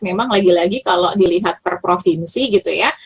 memang lagi lagi kalau dilihat per provinsi gitu ya